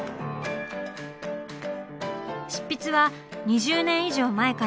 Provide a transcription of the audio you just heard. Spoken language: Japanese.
執筆は２０年以上前からデジタルで。